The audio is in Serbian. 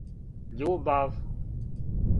Љубав